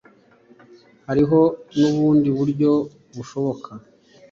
Hariho nubundi buryo bushoboka